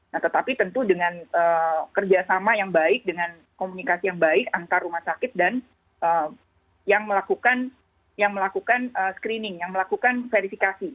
nah tetapi tentu dengan kerjasama yang baik dengan komunikasi yang baik antar rumah sakit dan yang melakukan screening yang melakukan verifikasi